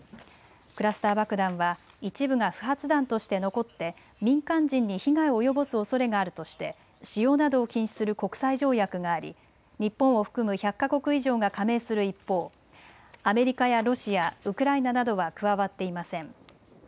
クラスター爆弾は一部が不発弾として残って民間人に被害を及ぼすおそれがあるとして使用などを禁止する国際条約があり日本を含む１００か国以上が加盟する一方、アメリカやロシア、ウクライナなどは加わっていません。